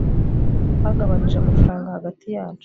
twagabanije amafaranga hagati yacu